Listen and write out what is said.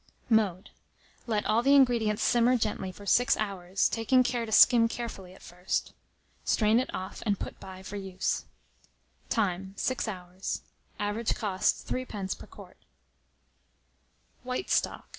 Mode. Let all the ingredients simmer gently for 6 hours, taking care to skim carefully at first. Strain it off, and put by for use. Time. 6 hours. Average cost, 3d. per quart. WHITE STOCK.